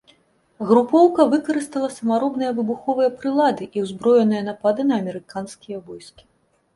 Групоўка выкарыстала самаробныя выбуховыя прылады і ўзброеныя напады на амерыканскія войскі.